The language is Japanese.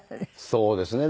そうですね。